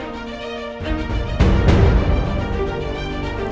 kenapa bisa ada banyakyecei jantung aja